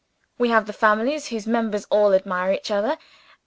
We have the families whose members all admire each other.